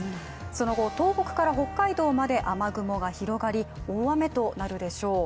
その後、東北から北海道まで雨雲が広がり大雨となるでしょう。